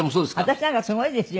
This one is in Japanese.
私なんかすごいですよ。